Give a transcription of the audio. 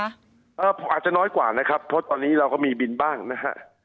อาจจะน้อยกว่านะครับเพราะตอนนี้เราก็มีบินบ้างนะฮะ